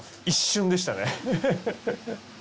一瞬でしたね。